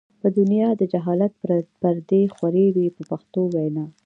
په دنیا د جهالت پردې خورې وې په پښتو وینا.